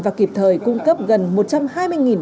và kịp thời cung cấp gần một trăm hai mươi